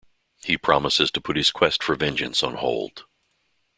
He promises to put his quest for vengeance on hold.